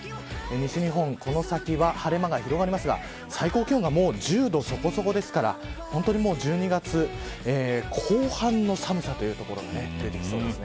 西日本この先は晴れ間が広がりますが最高気温が１０度そこそこですから本当に１２月後半の寒さという所が出てきそうです。